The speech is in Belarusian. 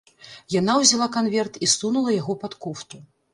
Яна ўзяла канверт і сунула яго пад кофту.